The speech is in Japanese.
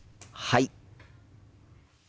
はい。